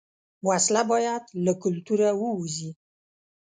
وسله باید له کلتوره ووځي